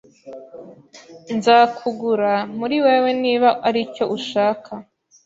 Nzakugura muri wewe niba aricyo ushaka.